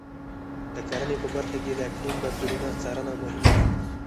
د کرنې په برخه کې د اقلیم بدلونونو څارنه مهمه ده.